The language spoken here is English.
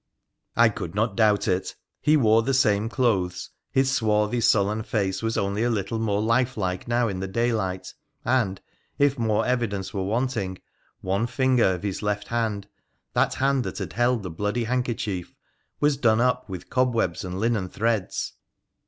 I could not doubt it. He wore the same clothes, his swarthy, sullen face was only a little more lifelike now in the daylight, and, if more evidence were want ing, one finger of his left band — that hand that had held the bloody handkerchief — was done up with cobwebs and linen threads.